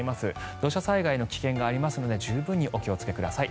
土砂災害の危険がありますので十分にお気をつけください。